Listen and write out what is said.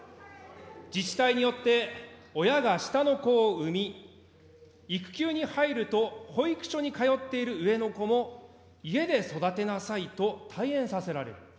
自治体によって親が下の子を産み、育休に入ると保育所に通っている上の子も家で育てなさいと退園させられる。